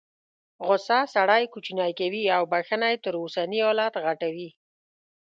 غوسه سړی کوچنی کوي او بخښنه یې تر اوسني حالت غټوي.